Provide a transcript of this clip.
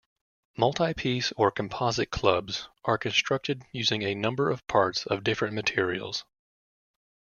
Multi-piece or composite clubs are constructed using a number of parts of different materials.